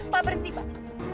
pak berhenti pak